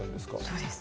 そうです。